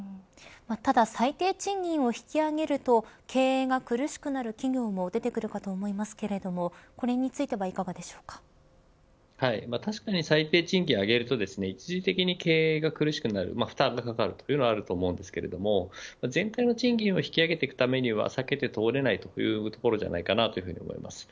ただ、最低賃金を引き上げると経営が苦しくなる企業も出てくるかと思いますけれどもこれについては確かに最低賃金を上げると一時的に経営が苦しくなる負担がかかるというのはあると思いますが全体の賃金を引き上げていくためには避けて通れないというところじゃないかと思います。